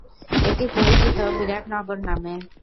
এটি পরিচিত বিরাট নগর নামে।